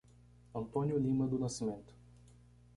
Antônio Lima do Nascimento